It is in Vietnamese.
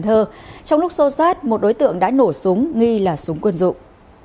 trong lúc xô sát một đối tượng đã nổ súng nghi là súng quân dụng